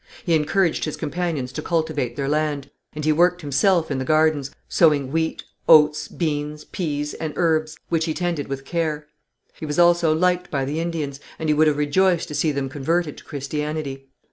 He encouraged his companions to cultivate their land, and he worked himself in the gardens, sowing wheat, oats, beans, pease, and herbs, which he tended with care. He was also liked by the Indians, and he would have rejoiced to see them converted to Christianity.